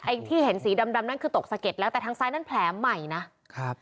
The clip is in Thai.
ที่เห็นสีดำดำนั่นคือตกสะเก็ดแล้วแต่ทางซ้ายนั้นแผลใหม่นะครับ